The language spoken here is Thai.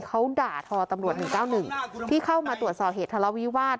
เขาด่าทอตำรวจหนึ่งเก้าหนึ่งที่เข้ามาตรวจสอบเหตุทะเลาวิวาส